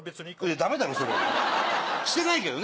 ダメだろそれはしてないけどね。